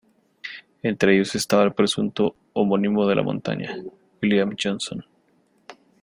Entre ellos estaba el presunto homónimo de la montaña, William Johnson.